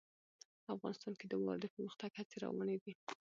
افغانستان کې د واوره د پرمختګ هڅې روانې دي.